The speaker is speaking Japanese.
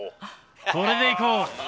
これでいこう。